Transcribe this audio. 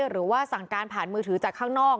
หรือว่าสั่งการผ่านมือถือจากข้างนอก